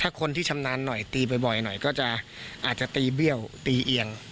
ถ้าคนที่ชำนาญหน่อยตีบ่อยหน่อยก็จะอาจจะตีเบี้ยวตีเอียง